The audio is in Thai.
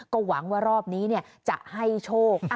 ก็หวังว่ารอบนี้จะให้โชค